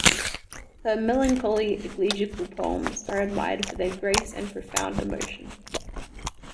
Her melancholy, elegiacal poems are admired for their grace and profound emotion.